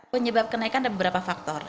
penyebab kenaikan ada beberapa faktor